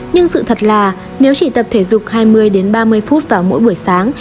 nhưng sự thật là nếu chỉ tập thể dục hai mươi ba mươi phút vào mỗi buổi sáng